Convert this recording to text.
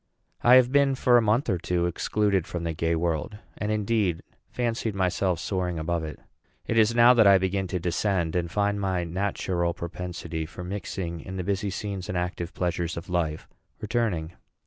I have been, for a month or two, excluded from the gay world, and, indeed, fancied myself soaring above it. It is now that I begin to descend, and find my natural propensity for mixing in the busy scenes and active pleasures of life returning.